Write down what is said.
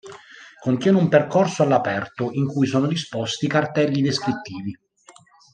Contiene un percorso all'aperto in cui sono disposti cartelli descrittivi.